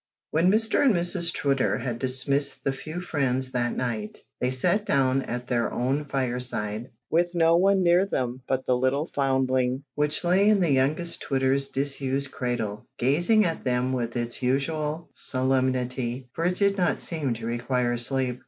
When Mr and Mrs Twitter had dismissed the few friends that night, they sat down at their own fireside, with no one near them but the little foundling, which lay in the youngest Twitter's disused cradle, gazing at them with its usual solemnity, for it did not seem to require sleep.